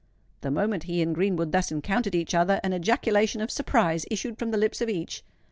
The moment he and Greenwood thus encountered each other, an ejaculation of surprise issued from the lips of each.